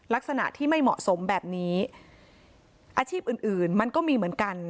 ลักษณะที่ไม่เหมาะสมแบบนี้อาชีพอื่นอื่นมันก็มีเหมือนกัน